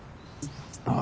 ああ。